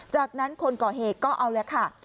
จากนั้นคนก่อเหตุก็เอาแล้วค่ะ